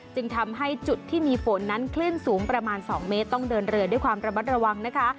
จึงทำให้จุดที่มีฝนนั้นคลื่นสูงประมาณ๒เมตรต้องเดินเรือด้วยความระมัดระวังนะคะ